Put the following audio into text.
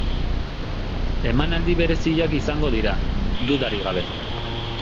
Emanaldi bereziak izango dira, dudarik gabe.